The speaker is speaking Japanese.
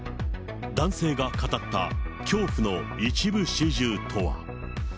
男性が語った恐怖の一部始終とは。